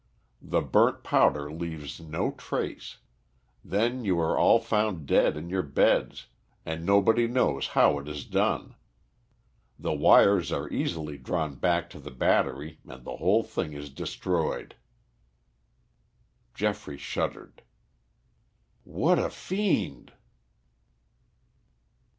The burnt powder leaves no trace. Then you are all found dead in your beds and nobody knows how it is done. The wires are easily drawn back to the battery and the whole thing is destroyed." Geoffrey shuddered. "What a fiend!"